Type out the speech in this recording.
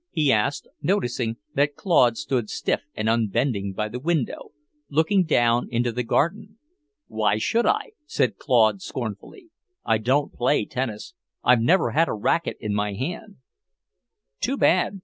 he asked, noticing that Claude stood stiff and unbending by the window, looking down into the garden. "Why should I?" said Claude scornfully. "I don't play tennis. I never had a racket in my hand." "Too bad.